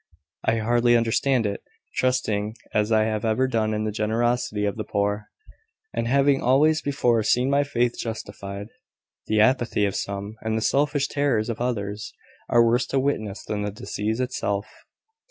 I hardly understand it, trusting as I have ever done in the generosity of the poor, and having always before seen my faith justified. The apathy of some, and the selfish terrors of others, are worse to witness than the disease itself."